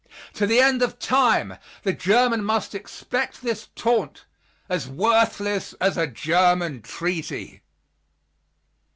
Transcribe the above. To the end of time, the German must expect this taunt, "as worthless as a German treaty."